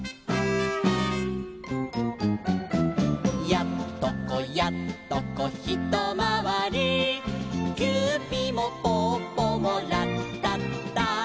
「やっとこやっとこひとまわり」「キューピもぽっぽもラッタッタ」